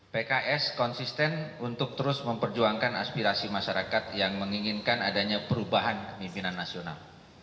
pks konsisten untuk terus memperjuangkan aspirasi masyarakat yang menginginkan adanya perubahan mimpinan nasional